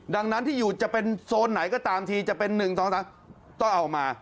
ดังนั้นที่อยู่จะเป็นโซนไหนก็ตามทีจะเป็น๑๒๓ต้องเอามา